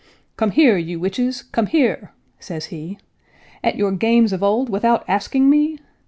"Come here, you witches! Come here!" says he, "At your games of old, without asking me!